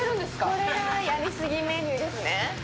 これはやりすぎメニューですね。